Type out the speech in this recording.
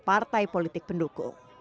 partai politik pendukung